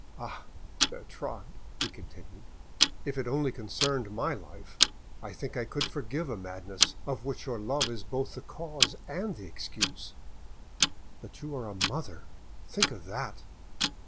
Ah! Bertrande," he continued, "if it only concerned my life I think I could forgive a madness of which your love is both the cause and the excuse, but you are a mother, think of that!